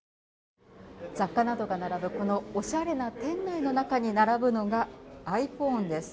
雑貨などが並ぶこのおしゃれな店内並ぶのが、ｉＰｈｏｎｅです。